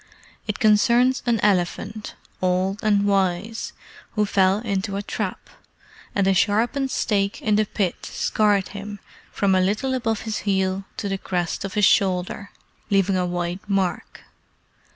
"It concerns an elephant, old and wise, who fell into a trap, and the sharpened stake in the pit scarred him from a little above his heel to the crest of his shoulder, leaving a white mark."